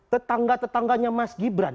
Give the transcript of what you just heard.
tetangga tetangganya mas gibran